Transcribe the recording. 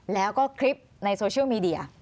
แล้วก็คลิปในโซเชียลมีเดีย